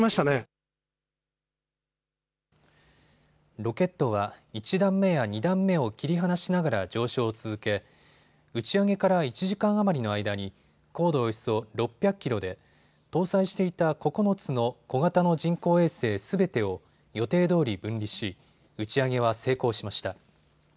ロケットは１段目や２段目を切り離しながら上昇を続け打ち上げから１時間余りの間に高度およそ６００キロで搭載していた９つの小型の人工衛星すべてを予定どおり分離し打ち上げは成功しました。